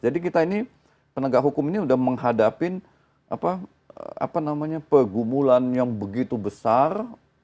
jadi kita ini penegak hukum ini sudah menghadapi pergumulan yang begitu besar